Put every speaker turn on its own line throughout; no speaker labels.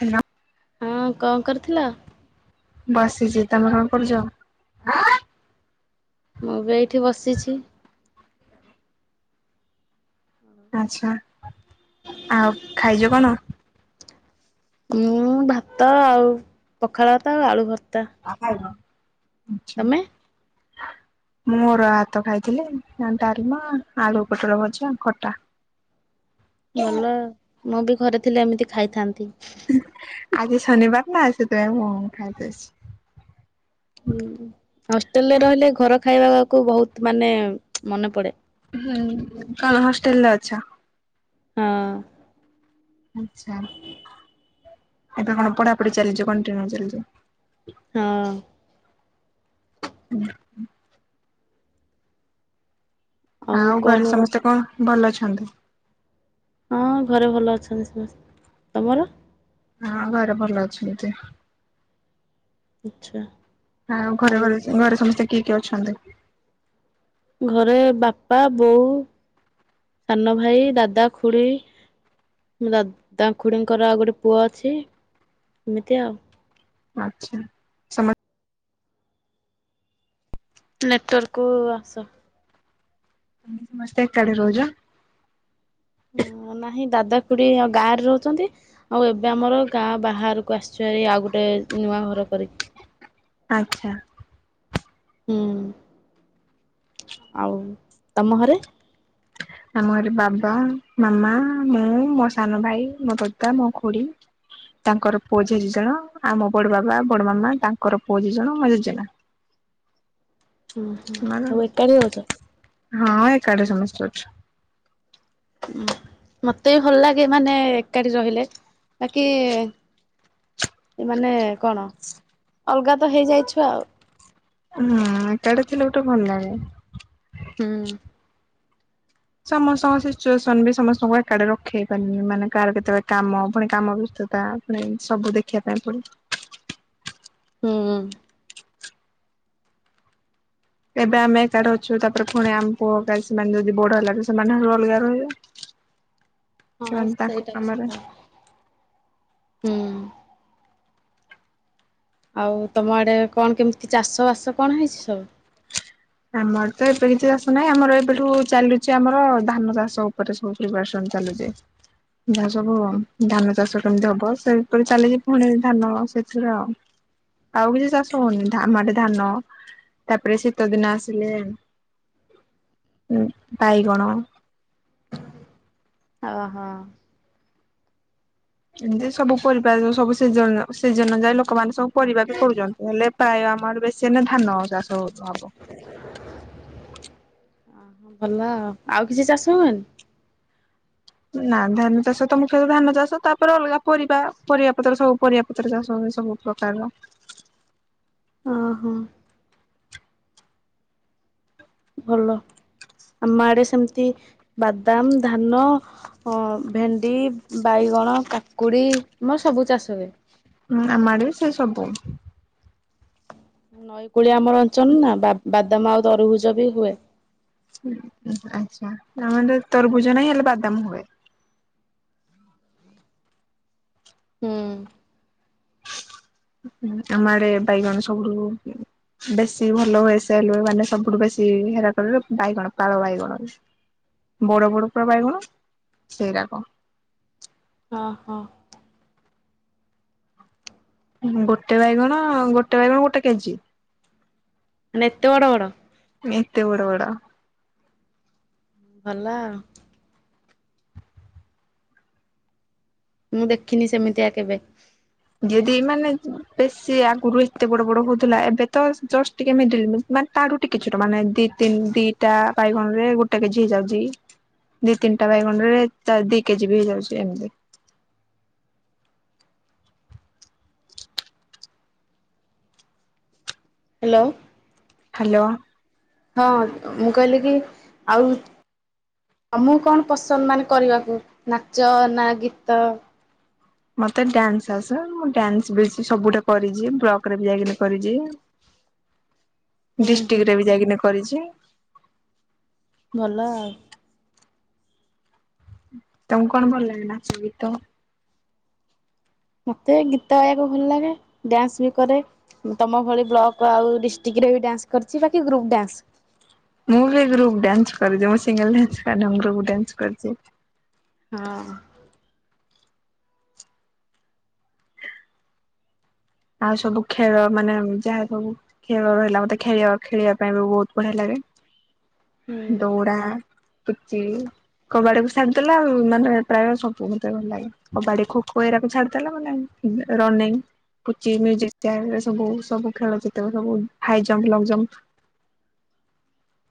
Hello.
ହଁ କଣ କରୁଥିଲ?
ବସିଛି ତମେ କଣ କରୁଛ?
ମୁଁ ବି ଏଇଠି ବସିଛି।
ଆଚ୍ଛା ଆଉ ଖାଇଛ କଣ?
ମୁଁ ଭାତ ଆଉ ପଖାଳ ଭାତ ଆଉ ଆଳୁ ଭତ୍ତା।
ଆଛା। ମୁଁ ଅରୁଆ ଭାତ ଖାଇଥିଲି ଆଉ ଡାଲମା ଆଳୁ ପୋଟଳ ଭଜା ଖଟା। [inaudible]
ଭଲ ମୁଁ ବି ଘରେ ଥିଲି ଏମିତି ଖାଇଥାନ୍ତି।
ଆଜି ଶନିବାର ନା ସେଥିପାଇଁ ମୁଁ ଖାଇ ଦେଇଛି।
ହୁଁ ହଷ୍ଟେଲ ରେ ରହିଲେ ଘର ଖାଇବାକୁ ବହୁତ ମାନେ ମନେ ପଡେ।
ହୁଁ କଣ ହଷ୍ଟେଲରେ ଅଛ?
ହଁ
ଆଚ୍ଛା ଏବେ କଣ ପଢାପଢି ଚାଲିଛ କଣ୍ଟିନ୍ୟୁ ଚାଲିଛି?
ହଁ।
ଉଁ ହୁଁ। ଆଉ ଘରେ ସମସ୍ତେ କଣ ଭଲ ଅଛନ୍ତି।
ହଁ ଘରେ ଭଲ ଅଛନ୍ତି ସମସ୍ତେ ତମର?
ହଁ ଘରେ ଭଲ ଅଛନ୍ତି।
ଆଚ୍ଛା।
ଆଉ ଘରେ ଘରେ ଘରେ ସମସ୍ତେ କିଏ କିଏ ଅଛନ୍ତି?
ଘରେ ବାପା ବୋଉ ସାନ ଭାଇ ଦାଦା ଖୁଡ଼ି। ମୋ ଦାଦା ଖୁଡ଼ିଙ୍କର ଆଉ ଗୋଟେ ପୁଅ ଅଛି ଏମିତି ଆଉ।
ଆଚ୍ଛା। ସମସ୍ତେ
ନେଟୱାର୍କକୁ ଆସ।
ତେ ସମସ୍ତେ ଏକାଠି ରହୁଛ।
ଆଁ ନାହିଁ ଦାଦା ଖୁଡି଼ ଆ ଗାଁରେ ରହୁଛନ୍ତି। ଆଉ ଏବେ ଆମର ଗାଁ ବାହାରକୁ ଆସିଛ ଆଉ ଗୋଟେ ନୂଆ ଘର କରିକି।
ଆଚ୍ଛା।
ହୁଁ। ଆଉ ତମ ଘରେ?
ଆମ ଘରେ ବାବା ମାମା ମୁଁ ମୋ ସାନ ଭାଇ ମୋ ଦୋତା ମୋ ଖୁଡି ତାଙ୍କର ପୁଅ ଝିଅ ଦି ଜଣ ଆମ ବଡ ବାବା ବଡ ମାମା ତାଙ୍କର ପୁଅ ଦି ଜଣ ମ ଜେଜେନା।
ହୁଁ ହୁଁ
ସେମାନେ
ସବୁ ଏକାଠି ରଉଛ?
ହଁ ଏକାଟି ସମସ୍ତେ ଅଛୁ।
ହ ମତେ ବି ଭଲ ଲାଗେ ମାନେ ଏକାଠି ରହିଲେ ବାକି ଏ ମାନେ କଣ ଅଲଗା ତ ହେଇଯାଇଛୁ ଆଉ।
ହୁଁ ଏକାଠି ଥିଲେ ଗୋଟେ ଭଲ ଲାଗେ।
ହଁ।
ସମସ୍ତଙ୍କ ସିଚୁଏସନ ବି ସମସ୍ତଙ୍କୁ ଏକାଟି ରଖେଇ ପାରିନି ମାନେ କାହାର କେତେବେଳେ କାମ ପୁଣି କାମ ବ୍ୟ ପୁଣି ସବୁ ଦେଖିବା ପାଇଁ ପଡିବ।
ହୁଁ ହୁଁ।
ଏବେ ଆମେ ଏକାଟି ଅଛୁ ତାପରେ ପୁଣି ଆମ ପୁଅ କାଲି ସେମାନେ ଯଦି ବଡ ହେଲା ସେମାନେ ଅଲଗା ରହିବେ।
ହଁ
ସେମାନେ ତାଙ୍କ
ସେଇଟା ବି ସତ।
କାମରେ
ହୁଁ ଆଉ ତମ ଆଡେ କଣ କେମିତି ଚାଷ ବାସ କଣ ହେଇଛି ସବୁ?
ଆମର ତ ଏବେ କିଛି ଚାଷ ନାହିଁ ଆମର ଏବେଠୁ ଚାଲୁଛି ଆମର ଧାନ ଚାଷ ଉପରେ ସବୁ ପ୍ରିପାରେସନ ଚାଲୁଛି। ସବୁ ଆଉ ଧାନ ଚାଷ କେମିତି ହବ ସେପରି ଚାଲିିକି ପୁଣି ଧାନ ସେଥିରେ ଆଉ। ଆଉ କିଛି ଚାଷ ହଉନି। ଆମ ଆଡ଼େ ଧାନ ତାପରେ ଶୀତଦିନ ଆ ସିଲେ ବାଇଗଣ।
ଓହୋ।
ଏମତି ସବୁ ପରିବା ସବୁ ସେ ସିଯନ୍ ସିଜନ୍ ଯାଏ ଲୋକମାନେ ସବୁ ପରିବା ବି କରୁଛନ୍ତି ହେଲେ ପ୍ରାୟ ଆମ ଆଡ଼େ ବେଶୀ ହେଲେ ଧାନ ଚାଷ ହବ।
ଅ ଭଲ ଆଉ କିଛି ଚାଷ ହୁଏନି?
ନା ଧାନ ଚାଷ ତ ମୁଖ୍ୟତଃ ଧାନ ଚାଷ ତାପରେ ଅଲଗା ପରିବା ପରିବା ପତ୍ର ସବୁ ପରିବା ଚାଷ ହୁଏ ସବୁ ପ୍ରକାରର।
ଓହୋ। ଭଲ ଆମ ଆଡେ ସେମିତି ବାଦାମ ଧାନ ଅ ଭେଣ୍ଡି, ବାଇଗଣ, କାକୁଡ଼ି ମୋର ସବୁ ଚାଷ ହୁଏ।
ହୁଁ ଆମ ଆଡେ ବି ସେ ସବୁ।
ନଈ କୂଳିଆ ଆମର ଅଞ୍ଚଳ ନା ବା- ବାଦାମ ଆଉ ତରଭୁଜ ବି ହୁଏ।
ଆଛା ଆମଆଡ଼େ ତରଭୁଜ ନା ହଁ ହେଲେ ବାଦାମ ହୁଏ।
ହୁଁ।
ହଁ ଆମ ଆଡେ ବାଇଗଣ ସବୁଠୁ ବେଶୀ ଭଲ ହଏ ସେଲୁ ମାନେ ସବୁଠୁ ବେଶୀ ହେରା କରେ ବାଇଗଣ ପାଳ ବାଇଗଣ। ବଡ଼ ବଡ଼ ପୁରା ବାଇଗଣ ସେରାକ।
ହ ହୋ।
ଗୋଟେ ବାଇଗଣ ଗୋଟେ ବାଇଗଣ ଗୋଟେ କେଜି।
ମାନେ ଏତେ ବଡ ବଡ଼।
ଏତେ ବଡ଼ ବଡ଼।
ଭଲ ଆଉ। ମୁଁ ଦେଖିନି ସେମିତିଆ କେବେ।
ଯଦି ମାନେ ବେଶୀ ଆଗରୁ ଏତେ ବଡ ବଡ ହଉଥିଲା ଏବେ ତ ଜଷ୍ଟ ଟିକେ ମିିଡିଲ ମାନେ ତାଡୁ ଟିକେ ଛୁଟ ମାନେ ଦିନି ଦିଟା ବାଇଗଣ ରେ ଗୋଟେ କେଜି ହେଇଯାଉଛି। ଦି ତିନିଟା ବାଇଗଣରେ ଦି କେଜି ବି ହେଇଯାଉଛି ଏମିତି।
ହ୍ୟାଲୋ।
ହ୍ୟାଲୋ।
ହଁ ମୁଁ କହିଲି କି ଆଉ ଆଉ ମୁଁ କଣ ପସନ୍ଦ ମାନେ କରିବାକୁ ନାଚ ନା ଗୀତ?
ମତେ ଡ୍ୟାନ୍ସ ଆସେ। ମୁଁ ଡ୍ୟାନ୍ସ ବେଶୀ ସବୁଟେ କରିଛି ବ୍ଲକ ରେ ଯାଇ କିନା କରିଛି।
ହୁଁ ହୁଁ
ଡିଷ୍ଟ୍ରିକଟ ରେ ବି ଯାଇକିନା କରିଛି।
ଭଲ ଆଉ।
ତମକୁ କଣ ଭଲ ଲାଗେ ନା ସଙ୍ଗୀତ
ମୋତେ ଗୀତ ଗାଇବାକୁ ଭଲ ଲାଗେ ଡ୍ୟାନ୍ସ ବି କରେ। ତମ ଭଳି ବ୍ଲକ ଆଉ ଡିଷ୍ଟ୍ରିକ୍ଟରେ ବି ଡ୍ୟାନ୍ସ କରିଛି ବାକି ଗ୍ରୁପ୍ ଡ୍ୟାନ୍ସ।
ମୁଁ ବି ଗ୍ରୁପ୍ ଡାନ୍ସ କରିଛି ମୁଁ ସିଙ୍ଗଲ ଡାନ୍ସ କରିନି ମୁଁ ଗ୍ରୁପ୍ ଡାନ୍ସ କରିଛି।
ହଁ
ଆଉ ସବୁ ଖେଳ ମାନେ ଯାହା ସବୁ ଖେଳ ରହିଲା ମତେ ଖେଳିବା ଖେଳିବା ପାଇଁ ବି ବହୁତ ବଢିଆ ଲାଗେ
ହୁଁ
ଦୌଡ଼ା ପୁଚି। କବାଡ଼ିକୁୁ ଛାରିଦେଲା ଆଉ ମାନେ ପ୍ରାୟ ସବୁ ମତେ ଭଲ ଲାଗେ। କବାଡି ଖୋ ଖୋ ଏଇରାକୁ ଛାଡିଦେଲା ମାନେ ରନିଙ୍ଗ ପୁଚି ମ୍ୟୁଜିକ ଚେୟାର ଚି ସବୁ ସବୁ ଖେଳ ଜିତ ସବୁ ହାଇଜମ୍ପ ଲଙ୍ଗ ଜମ୍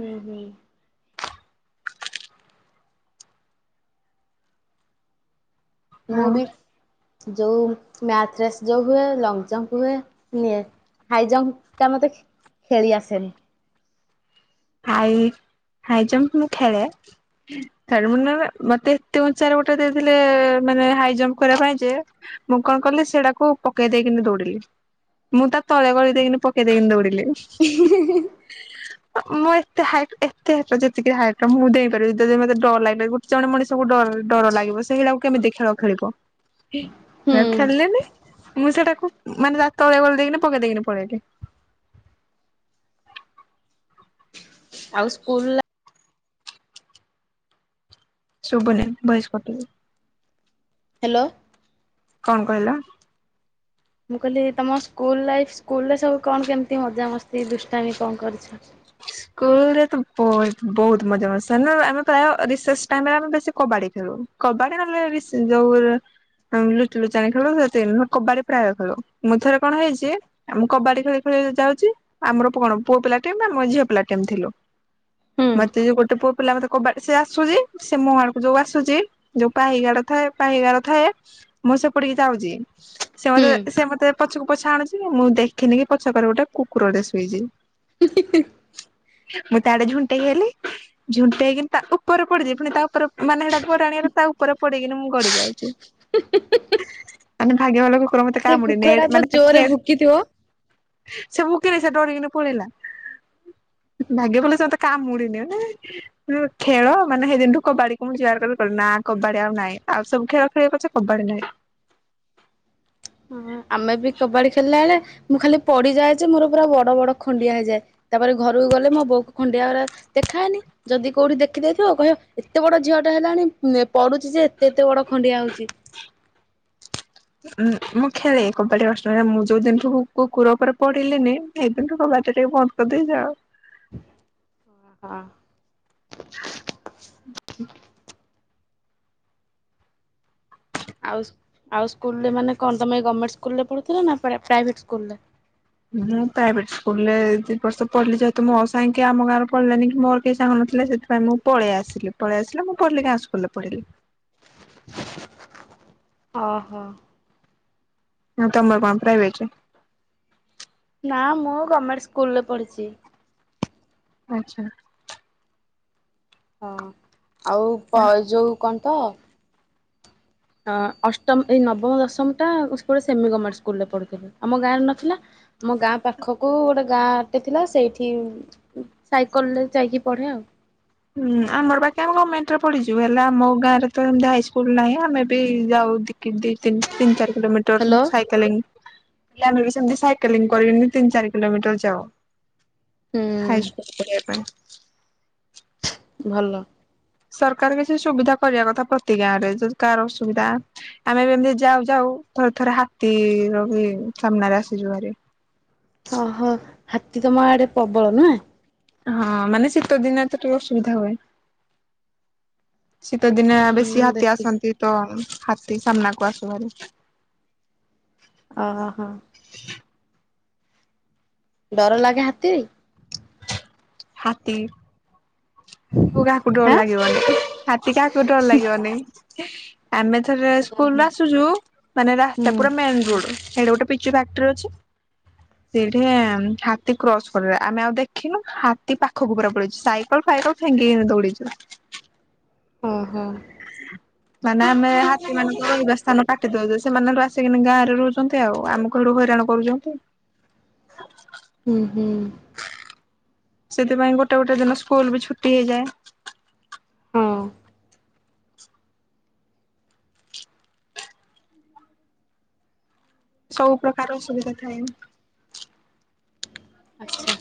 ହୁଁ ହୁଁ ମୁଁ
ଆଉ
ବି ଯୋଉ ମାଥରେସ୍ ଯୋଉ ହୁଏ ଲଙ୍ଗ ଜମ୍ପ ହୁଏ ନିଏ। ହାଇଜମ୍ପ ଟା ମତେ ଖେଳି ଆସେନି।
ହାଇ ହାଇ ଜମ୍ପ ମୁଁ ଖେଳେ। ମତେ ତି ଚାରି ଗୋଟେ ଦେଇଥିଲେ ମାନେ ହାଇ ଜମ୍ପ କରିବା ପାଇଁ ଯେ ମୁଁ କଣ କଲି ସେଟାକୁ ପକେଇ ଦେଇକି ଦୌଡିଲି। ମୁଁ ତା ତଳେ ଗଳି ଦେଇକିନି ପକେଇ ଦେଇକି ଦୌଡ଼ିଲି।
[unintelligible]
ମୁଁ ଏତେ ହାଇଟ୍ ଏତେ ହଟ ଯେତିକି ହାଇଟ ର ମୁଁ ଦେଇପାରିବି [inaudible] ମତେ ଡ ଲାଗେ। ଜଣେ ମଣିଷକୁ ଡ ଡର ଲାଗିବ ସେଇଗଳିାକୁ କେମିତି ଖେଳ ଖେଳିବ।
ହୁଁ
ଆଉ ଖେଳିଲନି ମୁଁ ସେଟାକୁ ମାନେ ତଳେ ଗଳେ ଦେଇକି ପକେଇ ଦେଇକିନି ପଳେଇଲି।
ଆଉ ସ୍କୁଲ
ଶୁଭୁନି ଭଏସ କଟୁଚି।
ହ୍ୟାଲୋ
କଣ କହିଲା?
ମୁଁ କହିଲି ତମ ସ୍କୁଲ ଲାଇଫ ସ୍କୁଲରେ ସବୁ କଣ କେମିତି ମଜାମସ୍ତି ଦୁଷ୍ଟାମି କଣ କରିଛ?
ସ୍କୁଲ ରେ ବହୁତ ବହୁତ ମଜା ମଜ ସମେ ପ୍ରାୟା ରିସେସ ଟାଇମ୍ ରେ ଆମେ ବେଶ କବାଡି ଖେଳୁ। କବାଡ଼ି ନହେଲେ ରିଶି ଯୋଉ ଲୁଚୁ ଲୁଚାଣି ଖେଳୁ ସେ କବାଡି ପ୍ରାୟ ଖେଳୁ ମୁଁଥରେ କଣ ହେଇଛି? ଆମଁ କବାଡି ଖେଳି ଖେଳି ଯାଉଛି ଆମର କଣ ପୁଅ ପିଲା ଟିମ ଆମ ଝିଅ ପିଲା ଟିମ୍ ଥିଲୁ।
ହୁଁ
ମତେ ଯୋଉ ଗୋଟେ ପୁଅ ପିଲା ମତେ କବା ସେ ଆସୁଛି ସେ ମୋ ମୁଁ ଆଡକୁ ଯୋଉ ଆସୁଛି ଯୋଉ ପାହଗାର ଥାଏ ପାହିଗାର ଥାଏ ମୁଁ ସେପଡିକି ଯାଉଛି। ସେ ମତେ
ହୁଁ
ସେ ମତେ ପଛକୁ ପଛା ଆଣୁଛି ମୁଁ ଦେଖିନି କି ପଛକରେ ଗୋଟେ କୁକୁରଟେ ଶୋଇଛି।
[unintelligible]
ମୁଁ ତାଡେ ଝୁଣ୍ଟେଇ ହେଲି। ଝୁଣ୍ଟେଇଇକିନି ତା ଉପରେ ପଡିଯିବ ପୁଣି ତା ଉପରେ ମାନେ ସେଟା ଗଡ଼ାଣରେ ତା ଉପରେ ପଡେଇକିନି ମୁଁ ଗଡି ଯାଇଛି। ମାନେ ଭାଗ୍ୟ ଭଲ କୁକୁର ମତେ
ସେ
କାମୁଡିିନେ
କୁକୁରଟା ତ
ମାନେ
ଜୋରରେ
ଖେ।
ଭୁକିଥିବ।
ସେ ଭୁକିଲି ସେ ଡରିକିନ ପଳେଇଲା‌ ଭାଗ୍ୟ ଭଲ ସେ ମତେ କାମୁଡିନି। ଖେଳ ମାନେ ସେଇଦିନଠୁ କବାଡି କୁ ମୁଁ ଜୁହାର କ କ ନା କବାଡି ଆଉ ନାଇଁ ଆଉ ସବୁ ଖେଳ ଖେଲିବି ପଛ କବାଡି ନାଇଁ।
ହଁ ଆମେ ବି କବାଡି ଖେଳିଲା ବେଳେ ମୁଁ ଖାଲି ପଡିଯାଏ ଯେ ମୋର ପୁରା ବଡ ବଡ ଖଣ୍ଡିଆ ହେଇଯାଏ। ତାପରେ ଘରକୁ ଗଲେ ମୋ ବୋଉ କ ଖଣ୍ଡିଆ ଗ ଦେଖାଏନି। ଯଦି କୋଉଠି ଦେଖିଦେଇଥିବ କହ ଏତେ ବଡ ଝିଅ ଟା ହେଲାଣି ପଡୁଛି ଯେ କେତେ ବଡ ଖଣ୍ଡିଆ ହଉଛି।
ହ ଉଁ ମୁଁ ଖିଆ ଦେଇ କବାଟି ମାଷ୍ଟ [unintelligible] ମୁଁ ଯୋଉ ଦିନଠୁ କୁକୁର ଓପରେ ପଢି଼ଲିନି ହେଇ ଦିନଠୁ କବାଟଟା ଟିଏ ବ ତ ଦେଇ ଯାଅ।
ଓହ।
ହ
ଆଉ ଆଉ ସ୍କୁଲ୍ ରେ ମାନେ କଣ ତମେ ଏଇ ଗମେଟ୍ ସ୍କୁଲ୍ ରେ ପଢ଼ୁଥୁଲ ନାଁ ପ୍ରା ପ୍ରାଇଭେଟ୍ ସ୍କୁଲ୍ ରେ?
ମୁଁ ପ୍ରାଇଭେଟ ସ୍କୁଲ୍ ରେ ଦି ବର୍ଷ ପଢ଼ିଲି ଯେହେତୁ ମୋ ସାଙ୍ଗି କିଏ ଆମ ଗାଁରୁ ପଢିଲେନି କି ମୋର କେହି ସାଙ୍ଗ ନଥିଲେ ସେ ପାଇଁ ମୁଁ ପଳିଆସିଲି ପଳିଆସିଲି ମୁଁ ପଢ଼ିଲି ଗାଁ ସ୍କୁଲ୍ ରେ ପଢ଼ିଲି।
ଅହ।
ଅଁ ତମର କଁ ପ୍ରାଇବେଟେ?
ନାଁ ମୁଁ ଗମେଟ୍ ସ୍କୁଲ୍ ରେ ପଢ଼ିଚି।
ଆଚ୍ଛା।
ହଁ ଆଉ ପ ଯୋଉ କଣ ତ ଅ ଅଷ୍ଟମ ଏଇ ନବମ ଦଶମଟା ଉସକୁରେ ସେମି ଗମେଟର ସ୍କୁଲ୍ ରେ ପଢ଼ୁଥିଲି ଆମ ଗାଁରେ ନଥିଲା। ମୋ ଗାଁ ପାଖକୁ ଗୋଟେ ଗାଁଟେ ଥିଲା ସେଇଠି ଉ ସାଇକଲ୍ ରେ ଯାଇକି ପଢ଼େ ଆଉ।
ହୁଁ ଆମର ବାକି ଆମେ ଗମେଣ୍ଟ୍ ରେ ପଢି଼ଚୁ ହେଲେ ଆମ ଗାଁରେ ତ ହେମତି ହାଇ ସ୍କୁଲ୍ ନାହିଁ ଆମେ ବି ଯାଉ ଦି କି ଦି ତିନ ଚାର କିିଲୋମିଟର୍ ହୁଁ
ହ୍ୟାଲୋ
ସାଇକେଲିଂ। ହେଲେ ଆମେ ବି ସେମିତି ସାଇକେଲିଂ କରିବିନି ତିିନ ଚାରି କିଲୋମିଟର୍ ଯାଉ।
ହୁଁ।
ହାଇ ସ୍କୁଲ୍ ପଢ଼ିବା ପାଇଁ।
ଭଲ।
ସରକାର କିଛି ସୁବିଧା କରିବା କଥା ପ୍ରତି ଗାଁରେ ଯଦି କାହାର ଅ ସୁୁବିଧା ଆମେ ବି ଏମତି ଯାଉ ଯାଉ ଥରେ ଥରେ ହାତୀର ବି ସାମ୍ନାରେ ଆସିଚୁ ଭାରି।
ଓହୋ ହାତୀ ତମ ଆଡ଼େ ପ୍ରବଳ ନୁହେଁ?
ହଁ ମାନେ ଶୀତ ଦିନରେ ତ ଟିକେ ଅସୁବିଧା ହୁଏ। ଶୀତ ଦିନେ ବେଶୀ
ହୁଁ
ହାତୀ
ଦେଖିକି
ଆସନ୍ତି ତ ହାତୀ ସାମ୍ନାକୁ ଆସ ଉଚ୍ଚ ଭାରି।
ଅହ। ଡର ଲାଗେ ହାତୀ?
ହାତୀ ହାତୀକୁ କାହାକୁ ଡର
ହାଁ
ଲାଗିବନେଇ? ହାତୀ କାହାକୁ ଡର ଲାଗିବନେଇ? ଆମେ ଥରେ ସ୍କୁଲ୍ ରୁ ଆସୁଚୁ ମାନେ ରାସ୍ତା
ହୁଁ
ପୁରା ମେନ୍ ରୋଡ଼୍ ରେ ହେଇଟଳଠି ଗୋଟେ ପି ତୁ ବାକ୍ଟ୍ରି ଅଛି ସେଇଠେଁ ହାତୀ କ୍ରସ୍ କରେ ଆମେ ଆଉ ଦେ ଖିନୁ ହାତୀ ପାଖକୁ ପୁରା ପଳେଇଚି ସାଇକଲ୍ ଫାଇକଲ୍ ଫାଙ୍ଗିକିନି ଦୌଡି଼ଚୁ।
ଓହୋ
ମାନେ ଆମେ ହାତୀମାନଙ୍କ ରହିବା ସ୍ଥାନ କାଟି ଦୋଉଚ ସେମାନେ ହେଠୁ ଆସିକିନି ଗାଁରେ ରହୁଚନ୍ତି ଆଉ ଆମକୁ ହେଠୁ ହଇରାଣ କରୁଚନ୍ତି। ହ
ଉଁ ହୁଁ।
ସେଥିପାଇଁ ଗୋଟେ ଗୋଟେ ଦିନ ସ୍କୁଲ୍ ବି ଛୁଟି ହେଇଯାଏ।
ହଁ।
ସବୁ ପ୍ରକାର ଅସୁବିଧା ଥାଏ।
ଆଚ୍ଛା।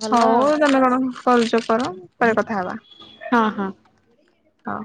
ଭଲ
ହଉ
ଆଉ
ତମେ କଣ କରୁଚ କର ପରେ କଥା ହବା।
ହଁ ହଁ।
ହଁ।